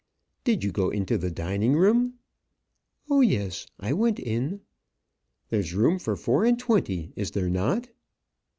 "Did you go into the dining room?" "Oh, yes; I went in." "There's room for four and twenty, is there not?"